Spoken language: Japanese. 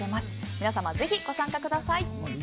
皆様、ぜひご参加ください。